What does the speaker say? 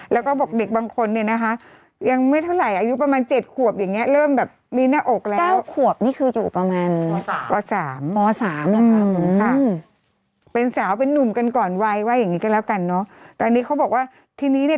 แล้วก็บอกเด็กบางคนเนี่ยนะคะยังไม่เท่าไหร่อายุประมาณ๗ขวบอย่างเงี้ย